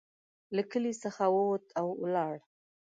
له کلي څخه ووت او ولاړ.